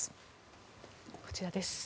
こちらです。